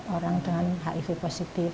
orang dengan hiv positif